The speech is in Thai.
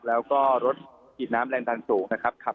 แล้วก็รถฉีดน้ำแรงดันสูงนะครับ